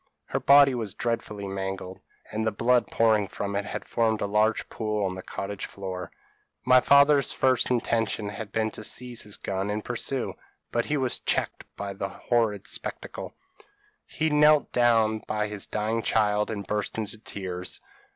Her body was dreadfully mangled, and the blood pouring from it had formed a large pool on the cottage floor. My father's first intention had been to seize his gun and pursue; but he was checked by this horrid spectacle; he knelt down by his dying child, and burst into tears.